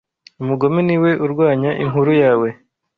Umugome niwe urwanya inkuru yawe